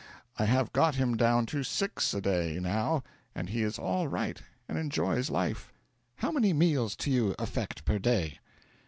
I have got him down to six a day, now, and he is all right, and enjoys life. How many meals to you affect per day?'